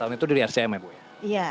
tujuh belas tahun itu di rcm ya bu ya